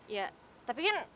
ya tapi kan